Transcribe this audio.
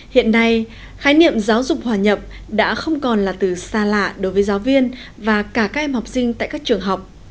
hiện nay khái niệm giáo dục hòa nhập đã không còn là từ xa lạ đối với giáo viên và cả các em học sinh tại các trường học